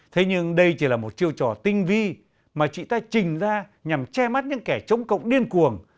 thế nhưng đây chỉ là một chiêu trò tinh vi mà chị ta trình ra nhằm che mắt những kẻ chống cộng điên cuồng